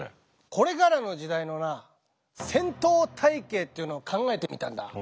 これからの時代の戦闘隊形っていうのを考えてみたんだ。